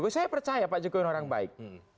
saya percaya pak jokowi orang baik